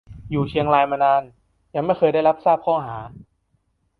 อยู่เชียงรายมานาน ยังไม่เคยได้รับทราบข้อหา